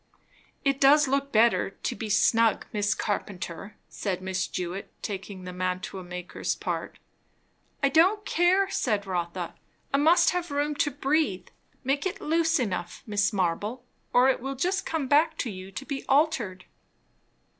"It does look better, to be snug, Miss Carpenter," said Miss Jewett, taking the mantua maker's part. "I don't care," said Rotha. "I must have room to breathe. Make it loose enough, Mrs. Marble, or it will just come back to you to be altered."